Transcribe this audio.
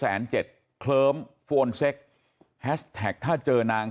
เเคิร์มโฟนเซ็กห้าสแท็กถ้าเจอนาง